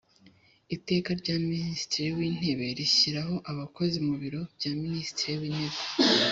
Iteka rya Minisitri w Intebe rishyiraho abakozi mu Biro bya Minisitiri w Intebe